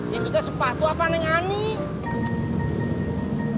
ya gitu sepatu apaan yang aneh